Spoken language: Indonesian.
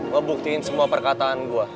gue buktiin semua perkataan gue